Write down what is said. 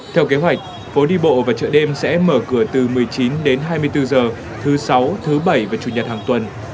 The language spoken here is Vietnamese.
theo kế hoạch phố đi bộ và chợ đêm sẽ mở cửa từ một mươi chín đến hai mươi bốn h thứ sáu thứ bảy và chủ nhật hàng tuần